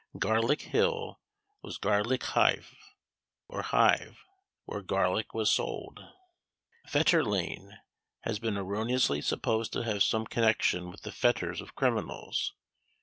Garlick hill was Garlicke hithe, or hive, where garlick was sold. Fetter lane has been erroneously supposed to have some connexion with the fetters of criminals.